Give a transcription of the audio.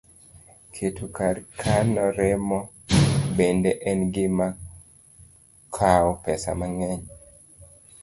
Keto kar kano remo bende en gima kawo pesa mang'eny